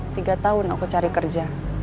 tiga tahun aku cari kerja